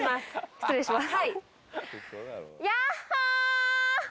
失礼します。